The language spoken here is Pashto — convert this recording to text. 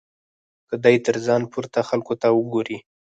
که دی تر ځان پورته خلکو ته وګوري.